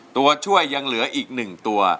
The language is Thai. ตัวช่วยยังเหลืออีก๑ตัว